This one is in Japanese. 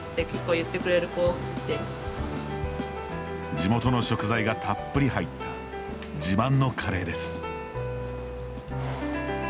地元の食材がたっぷり入った自慢のカレーです。